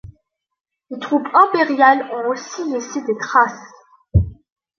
Des troupes impériales ont aussi laissé des traces.